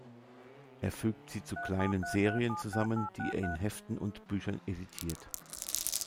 Er fügt sie zu kleinen Serien zusammen, die er in Heften und Büchern ediert.